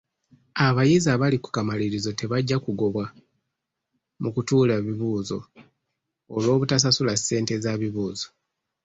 Abayizi abali ku kamalirizo tebajja kugobwa mu kutuula bibuuzo olw'obutasasula ssente za bibuuzo.